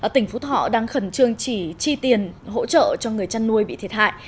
tỉnh phú thọ đang khẩn trương chỉ chi tiền hỗ trợ cho người chăn nuôi bị thiệt hại